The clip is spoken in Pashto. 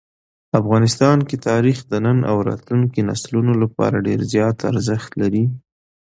افغانستان کې تاریخ د نن او راتلونکي نسلونو لپاره ډېر زیات ارزښت لري.